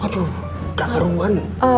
aduh gak keruan